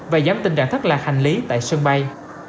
và giảm tình trạng thất lạc hành lý tại sân bay